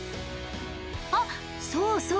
あっそうそう。